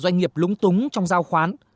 doanh nghiệp lúng túng trong giao khoán